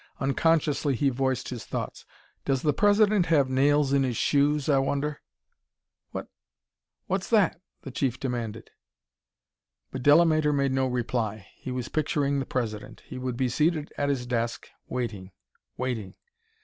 Unconsciously he voiced his thoughts: "Does the President have nails in his shoes, I wonder?" "What what's that?" the Chief demanded. But Delamater made no reply. He was picturing the President. He would be seated at his desk, waiting, waiting